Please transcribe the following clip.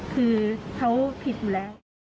คือเขาผิดอยู่แล้ว